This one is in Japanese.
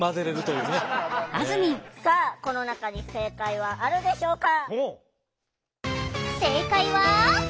さあこの中に正解はあるでしょうか？